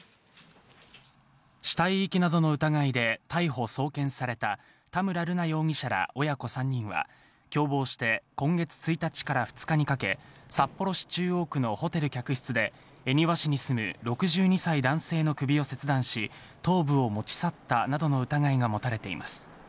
死体遺棄などの疑いで逮捕・送検された田村瑠奈容疑者ら親子３人は共謀して今月１日から２日にかけ、札幌市中央区のホテル客室で、恵庭市に住む６２歳男性の首を切断し、頭部を持ち去ったなどの疑いが持たれています。